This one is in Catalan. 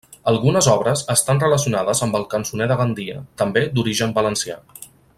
Algunes obres estan relacionades amb el cançoner de Gandia, també d'origen valencià.